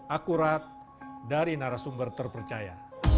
akurat dari narasumber terpercaya